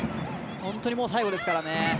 本当にもう最後ですからね。